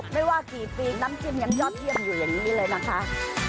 ไม่ว่ากี่ปีน้ำจิ้มยังยอดเยี่ยมอยู่อย่างนี้เลยนะคะ